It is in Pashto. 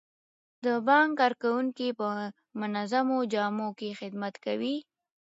د بانک کارکوونکي په منظمو جامو کې خدمت کوي.